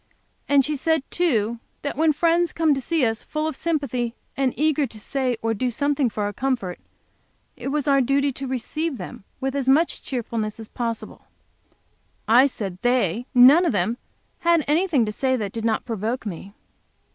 And she said, too, that when friends came to see us, full of sympathy and eager to say or do something for our comfort, it was our duty to receive them with as much cheerfulness as possible. I said they, none of them, had anything to say that did not provoke me.